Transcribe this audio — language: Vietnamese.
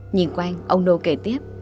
nhìn quanh ông nô kể tiếp